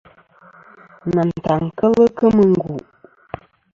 Nantaŋ kel kemɨ n.